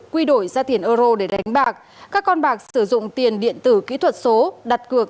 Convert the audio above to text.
quy đổi ra tiền euro để đánh bạc các con bạc sử dụng tiền điện tử kỹ thuật số đặt cược